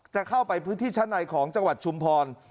จะเข้าไปพื้นที่ชั้นในของจังหวัดชุมพร